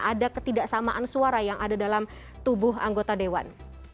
ada ketidaksamaan suara yang ada dalam tubuh anggota dewan